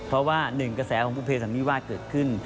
เพราะว่าหนึ่งกระแสของบุเภสันนิวาสเกิดขึ้น